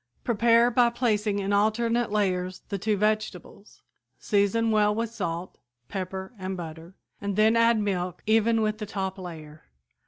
Prepare by placing in alternate layers the two vegetables; season well with salt, pepper and butter, and then add milk even with the top layer.